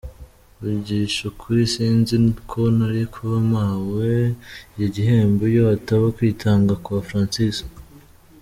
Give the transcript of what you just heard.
Mvugishe ukuri sinzi ko nari kuba mpawe iki gihembo iyo hataba kwitanga kwa Francis”.